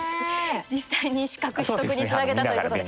実際に資格取得につなげたということで。